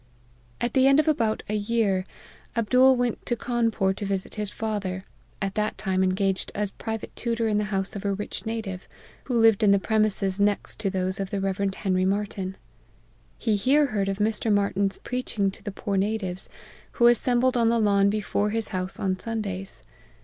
<l At the end of about a year, Abdool went to Cawnpore to visit his father, at that time engaged as private tutor in the house of a rich native, who lived in the premises next to those of the Rev. Henry Martyn. He here heard of Mr. Martyn's preaching to the poor natives, who assembled on the lawn be fore his house on Sundays.